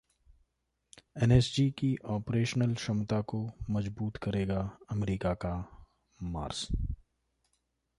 NSG की operational क्षमता को मजबूत करेगा अमेरिका का 'मार्स'